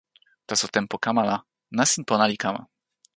taso tenpo kama la, nasin pona li kama.